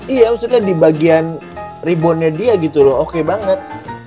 iya maksudnya di bagian reboundnya dia gitu loh oke banget